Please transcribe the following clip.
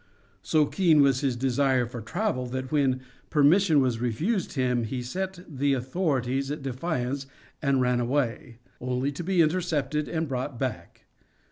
So keen was his desire for travel that when per mission was refused him he set the authorities at defiance and ran away ; only to be intercepted and brought back.